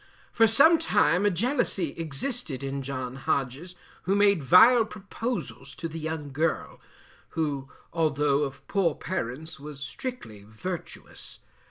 For some time a jealousy existed in John Hodges, who made vile proposals to the young girl, who although of poor parents was strictly virtuous.